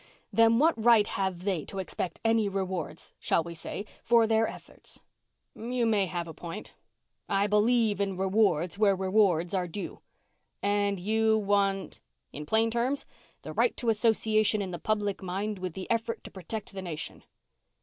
"Then what right have they to expect any rewards shall we say? for their efforts?" "You may have a point." "I believe in rewards where rewards are due." "And you want ?" "In plain terms, the right to association in the public mind with the effort to protect the nation."